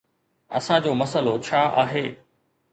اسان جو مسئلو ڇا آهي؟